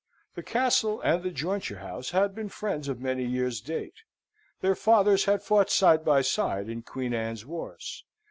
The Castle and the jointure house had been friends of many years' date. Their fathers had fought side by side in Queen Anne's wars.